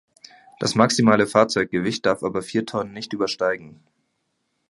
Das maximale Fahrzeuggewicht darf aber vier Tonnen nicht übersteigen.